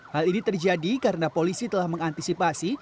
hal ini terjadi karena polisi telah mengantisipasi